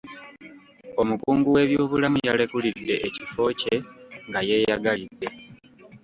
Omukungu w'ebyobulamu yalekulidde ekifo kye nga yeeyagalidde.